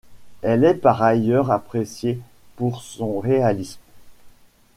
Elle est par ailleurs appréciée pour son réalisme.